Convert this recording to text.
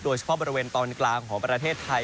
โดยเฉพาะบริเวณตอนกลางของประเทศไทย